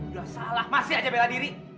sudah salah masih bela diri